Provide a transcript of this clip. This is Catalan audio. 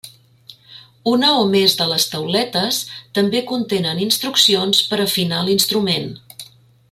Una o més de les tauletes també contenen instruccions per afinar l'instrument.